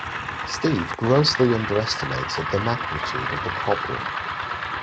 Steve grossly underestimated the magnitude of the problem.